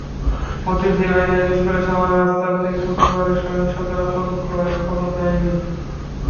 Motijheel ideal স্কুলের সামনের রাস্তা থেকে শুক্রবারের সহিংসতার আতঙ্ক এখনো যায়নি।